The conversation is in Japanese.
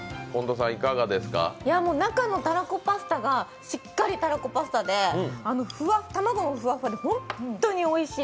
中のタラコパスタが、しっかりタラコパスタで、卵もふわっふわで本当においしい。